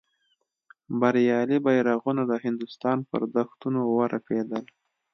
بریالي بیرغونه د هندوستان پر دښتونو ورپېدل.